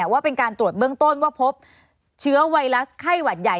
ว่าเป็นการตรวจเบื้องต้นว่าพบเชื้อไวรัสไข้หวัดใหญ่